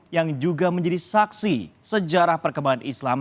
yang juga menjadi saksi sejarah perkembangan islam